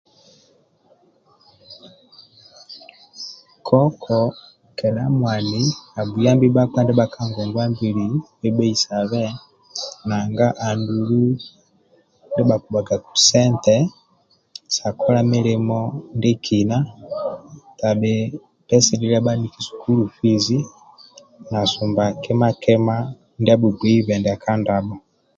Koko kedha mwani abhuyambi bhakpa ndibha ka ngongwa mbili kwebeisabe nanga andulu ndia bhakibhuagaku sente sa kola milimo ndiekina rabhi peaililiq bhaniki sukulu fizi na sumba kima kima ndia abhugbeibe ndia ka ndabho